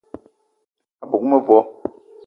A bug mevo